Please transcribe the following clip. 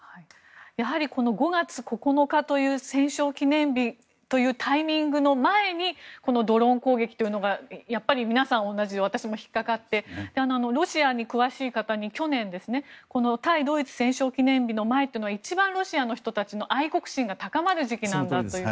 やはり５月９日という戦勝記念日というタイミングの前にこのドローン攻撃というのがやっぱり皆さん同じで私も引っかかってロシアに詳しい方に去年、対ドイツ戦勝記念日の前というのは一番、ロシアの人たちの愛国心が高まる時期なんだという。